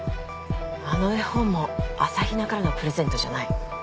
あの絵本も朝比奈からのプレゼントじゃない。